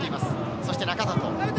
そして仲里。